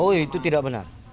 oh itu tidak benar